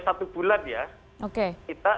satu bulan ya kita